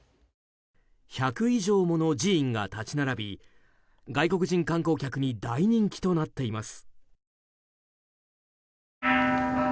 １００以上もの寺院が立ち並び外国人観光客に大人気となっています。